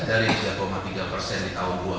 dari tiga tiga persen di tahun dua ribu dua